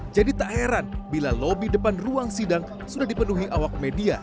jadi tak heran bila lobi depan ruang sidang sudah dipenuhi awak media